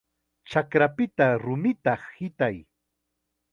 ¡Chakrapita rumita hitay!